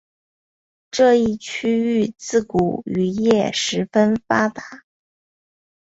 这一区域自古渔业十分发达。